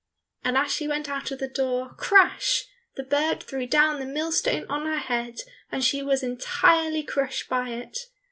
And as she went out at the door, crash! the bird threw down the millstone on her head, and she was entirely crushed by it.